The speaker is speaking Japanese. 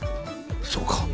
そうか。